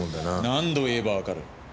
何度言えばわかる。